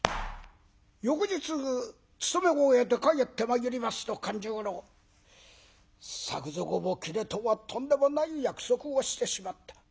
翌日勤めを終えて帰ってまいりますと勘十郎「作蔵を斬れとはとんでもない約束をしてしまった。